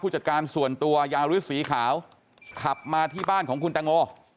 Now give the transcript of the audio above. จัดการส่วนตัวยาริสสีขาวขับมาที่บ้านของคุณตังโม